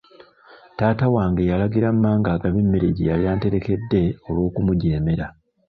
Taata wange yalagira mmange agabe emmere gye yali anterekedde olw'okumujeemera.